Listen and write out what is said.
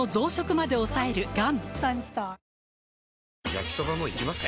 焼きソバもいきます？